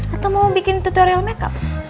atau mau bikin tutorial makeup